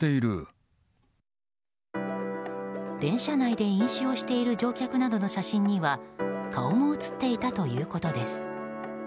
電車内で飲酒をしている乗客などの写真には顔も写っていたということです。